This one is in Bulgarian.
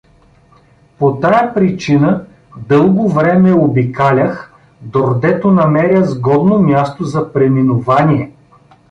По тая причина дълго време обикалях, дордето намеря сгодно място за преминувание.